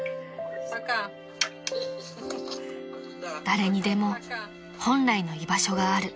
［誰にでも本来の居場所がある］